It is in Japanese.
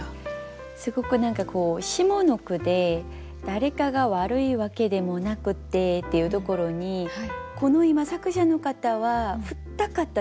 すごく何かこう下の句で「誰かが悪いわけでもなくて」っていうところにこの今作者の方は振った方ですよね絶対。